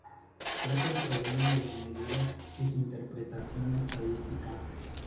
Trata el problema de la medida y su interpretación estadística.